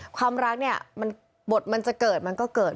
ความรักเนี่ยมันบทมันจะเกิดมันก็เกิด